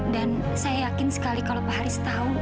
dan saya yakin sekali kalau pak haris tahu